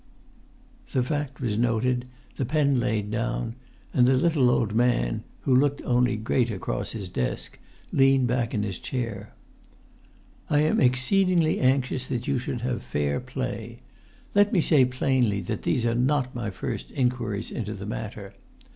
The fact was noted, the pen laid down; and the little old man, who looked only great across his desk, leant back in his chair. "I am exceedingly anxious that you should have fair play. Let me say plainly that these are not my first inquiries into the matter.